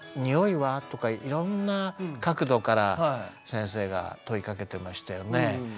「においは？」とかいろんな角度から先生が問いかけてましたよね。